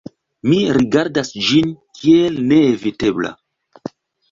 Mi rigardas ĝin kiel neevitebla.